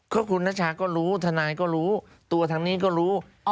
ก็คุณนัชชาก็รู้ทนายก็รู้ตัวทางนี้ก็รู้